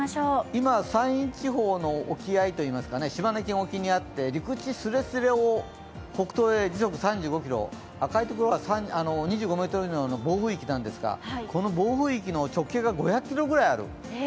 今、山陰地方の沖合、島根県沖にあって陸地スレスレを北東へ時速３５キロ、赤いところは２５メートル以上の暴風域なんですが、この暴風域の直径が５００キロぐらいある。